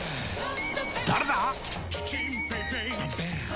誰だ！